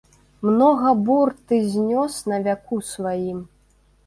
Многа бур ты знёс на вяку сваім!